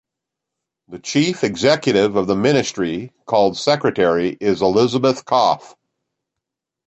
The chief executive of the ministry, called Secretary, is Elizabeth Koff.